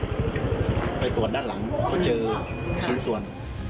ไปตรวจด้านหลังเขาเจอชิ้นส่วน